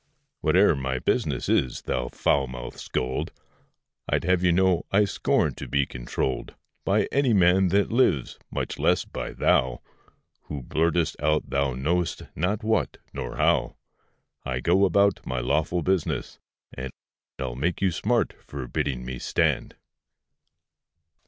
Whate'er my business is, thou foul mouthed scold, I'd have you know I scorn to be controlled By any man that lives; much less by thou, Who blurtest out thou know'st not what, nor how; I go about my lawful business; and I'll make you smart for bidding of me stand.